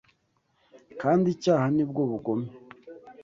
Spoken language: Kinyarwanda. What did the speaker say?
kandi icyaha ni bwo bugome